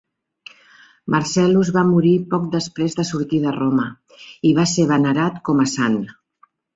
Marcellus va morir poc després de sortir de Roma, i va ser venerat com a sant.